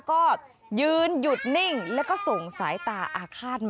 ก็ยืนหยุดนิ่งแล้วก็ส่งสายตาอาฆาตมา